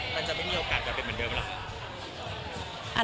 มันจะไม่มีโอกาสจะเป็นเหมือนเดิมหรอก